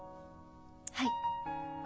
はい。